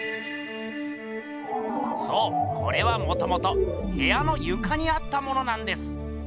そうこれはもともとへやのゆかにあったものなんです。